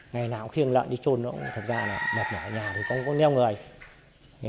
ngày nào khi lợn đi trôn thật ra mặt ở nhà thì không có nêu người